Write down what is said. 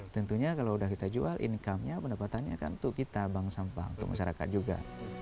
tentunya kalau sudah kita jual income nya pendapatannya kan untuk kita bank sampah untuk masyarakat juga